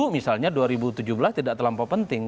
misalnya dua ribu tujuh belas tidak terlampau penting